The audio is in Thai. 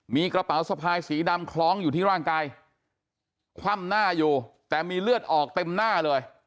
มีกระเป๋าสะพายสีดำคล้องอยู่ที่ร่างกายคว่ำหน้าอยู่แต่มีเลือดออกเต็มหน้าเลย